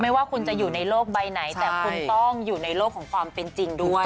ว่าคุณจะอยู่ในโลกใบไหนแต่คุณต้องอยู่ในโลกของความเป็นจริงด้วย